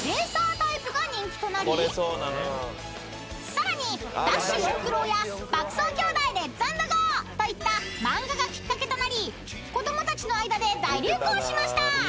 ［さらに『ダッシュ！四駆郎』や『爆走兄弟レッツ＆ゴー！！』といった漫画がきっかけとなり子供たちの間で大流行しました］